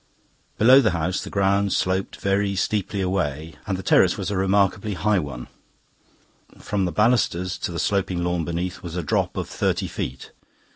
Below the house the ground sloped very steeply away, and the terrace was a remarkably high one; from the balusters to the sloping lawn beneath was a drop of thirty feet.